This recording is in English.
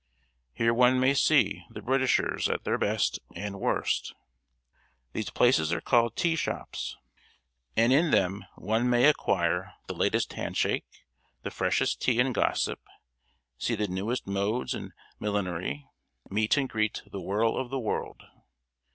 Here one may see the Britishers at their best and worst. These places are called "tea shops," and in them one may acquire the latest hand shake, the freshest tea and gossip, see the newest modes and millinery, meet and greet the whirl of the world.